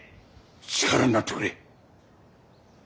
力になってくれ。